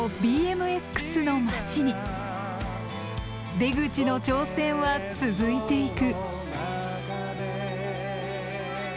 出口の挑戦は続いていく。